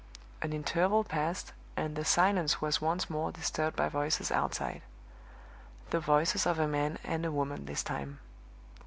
An interval passed, and the silence was once more disturbed by voices outside; the voices of a man and a woman this time.